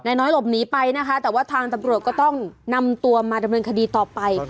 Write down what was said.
น้อยหลบหนีไปนะคะแต่ว่าทางตำรวจก็ต้องนำตัวมาดำเนินคดีต่อไป